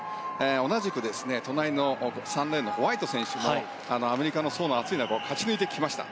同じく隣の３レーンのホワイト選手もアメリカの層の厚い中を勝ち抜いてきました。